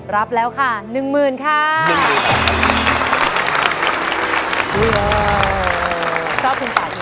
รับแล้วค่ะ๑หมื่นค่ะ